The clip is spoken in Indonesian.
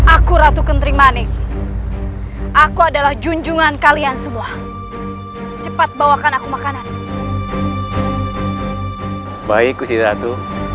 aku ratu kenterimani aku adalah junjungan kalian semua cepat bawakan aku makanan baik usiratu